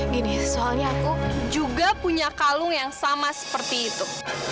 gini soalnya aku juga punya kalung yang sama seperti itu